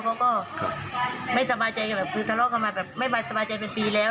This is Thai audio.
เขาก็ไม่สบายใจทะเลาะกันมาไม่สบายใจเป็นปีแล้ว